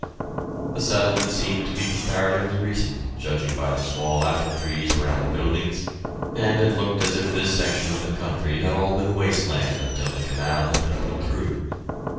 The settlement seemed to be comparatively recent, judging by the small apple trees around the buildings, and it looked as if this section of the country had all been waste land until the canal had been put through.